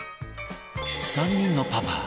３人のパパ